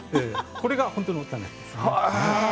これが本当の種です。